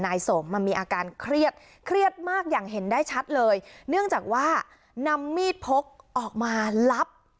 นายสมมันมีอาการเครียดเครียดมากอย่างเห็นได้ชัดเลยเนื่องจากว่านำมีดพกออกมาลับ